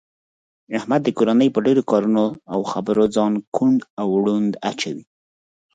احمد د کورنۍ په ډېرو کارونو او خبرو ځان کوڼ او ړوند اچوي.